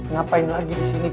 ngapain lagi di sini